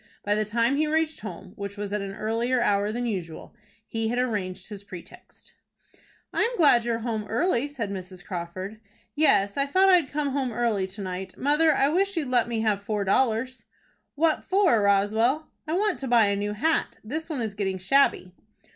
By the time he reached home, which was at an earlier hour than usual, he had arranged his pretext. "I am glad you are home early," said Mrs. Crawford. "Yes, I thought I'd come home early to night. Mother, I wish you'd let me have four dollars." "What for, Roswell?" "I want to buy a new hat. This one is getting shabby."